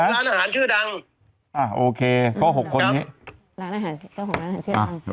แล้วของร้านอาหารชื่อดังอ่าโอเคก็หกคนครับร้านอาหาร